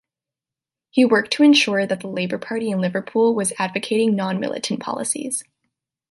He worked to ensure that the Labour Party in Liverpool was advocating non-Militant policies.